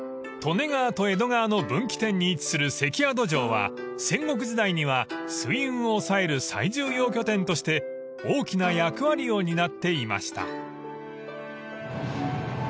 ［利根川と江戸川の分岐点に位置する関宿城は戦国時代には水運を抑える最重要拠点として大きな役割を担っていました］